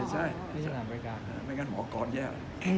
ไหนแค่หมอกรแย่เลย